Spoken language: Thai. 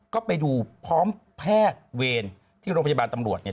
ก็ไปดูพร้อมแพทย์เวรที่โรงพยาบาลตำรวจ